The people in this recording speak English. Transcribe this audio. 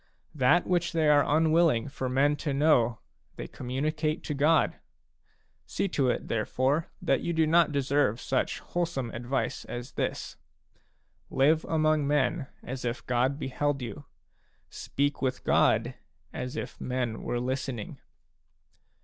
That which they are unwilling for men to know, they communicate to God. See to it, there fore, that you do not deserve such wholesome advice as this :" Live among men as if God beheld you ; speak with God as if men were listening."